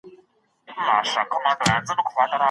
د مسلمان د منع کولو وسيله څه ده؟